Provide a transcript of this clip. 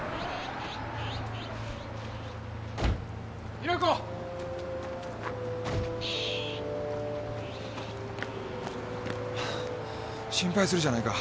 実那子！心配するじゃないか。